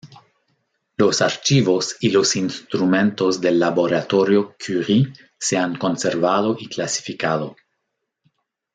Los archivos y los instrumentos del laboratorio Curie se han conservado y clasificado.